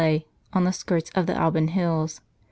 on the skirts of the Alban hills.